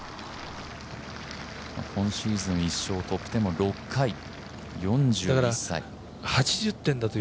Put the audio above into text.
今シーズン、１勝、トップ１０６回、４１歳。